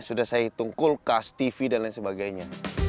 sudah saya hitung kulkas tv dan lain sebagainya